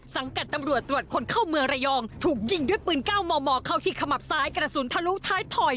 กับตำรวจตรวจคนเข้าเมืองระยองถูกยิงด้วยปืน๙มมเข้าที่ขมับซ้ายกระสุนทะลุท้ายถอย